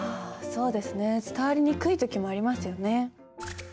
あそうですね。伝わりにくい時もありますよね。